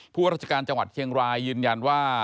ผู้ราชการจังหวัดเชียงรายยืนยันว่า